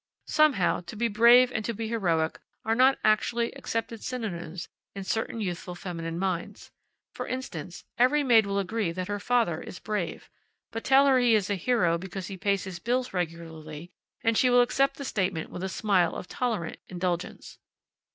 Somehow, to be brave and to be heroic are not actually accepted synonyms in certain youthful feminine minds. For instance, every maid will agree that her father is brave; but tell her he is a hero because he pays his bills regularly and she will accept the statement with a smile of tolerant indulgence.